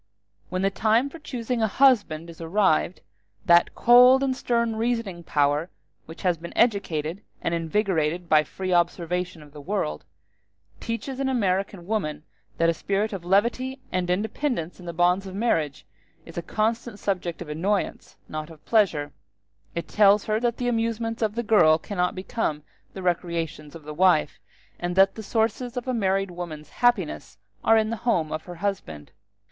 When the time for choosing a husband is arrived, that cold and stern reasoning power which has been educated and invigorated by the free observation of the world, teaches an American woman that a spirit of levity and independence in the bonds of marriage is a constant subject of annoyance, not of pleasure; it tells her that the amusements of the girl cannot become the recreations of the wife, and that the sources of a married woman's happiness are in the home of her husband.